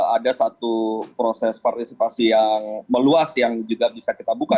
ada satu proses partisipasi yang meluas yang juga bisa kita buka